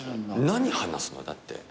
何話すの？だって。